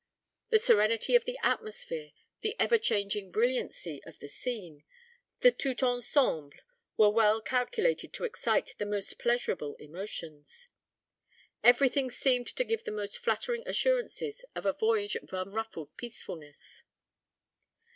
The serenity of the atmosphere, the ever changing brilliancy of the scene, the tout ensemble, were well calculated to excite the most pleasurable emotions. Every thing seemed to give the most flattering assurances of a voyage of unruffled peacefulness.